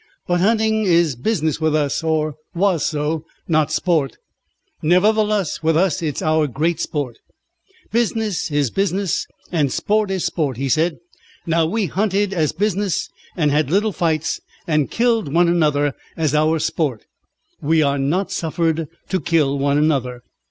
But hunting is business with us or was so not sport." "Nevertheless with us it is our great sport." "Business is business and sport is sport," he said. "Now, we hunted as business, and had little fights and killed one another as our sport." "We are not suffered to kill one another."